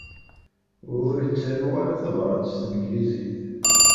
Ur ttaruɣ ara tabrat s tneglizit.